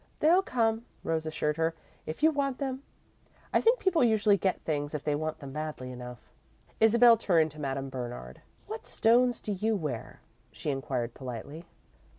"They'll come," Rose assured her, "if you want them. I think people usually get things if they want them badly enough." Isabel turned to Madame Bernard. "What stones do you wear?" she inquired, politely.